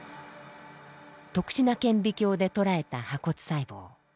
特殊な顕微鏡で捉えた破骨細胞。